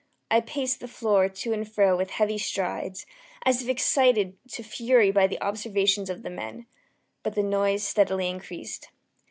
I paced the floor to and fro with heavy strides, as if excited to fury by the observations of the men but the noise steadily increased.